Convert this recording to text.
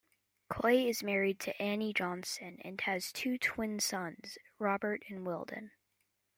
Clay is married to Anne Johnson and has two twin sons, Robert and Weldon.